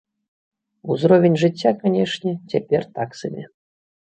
Узровень жыцця, канечне, цяпер так сабе.